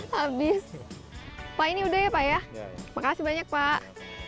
habis pak ini udah ya pak ya makasih banyak pak